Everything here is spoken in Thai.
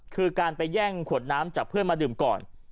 คือการไปแย่งขวดน้ำจากเพื่อนมาดื่มก่อน